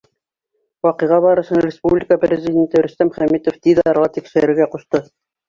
Ваҡиға барышын республика Президенты Рөстәм Хәмитов тиҙ арала тикшерергә ҡушты.